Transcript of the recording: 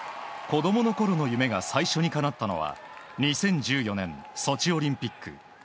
子供のころの夢が最初にかなったのは２０１４年、ソチオリンピック。